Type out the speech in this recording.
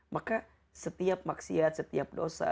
maka setiap maksiat setiap dosa